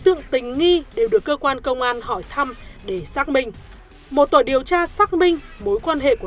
tượng tình nghi đều được cơ quan công an hỏi thăm để xác minh một tổ điều tra xác minh mối quan hệ của